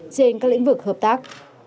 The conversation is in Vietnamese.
trên các lĩnh vực hợp tác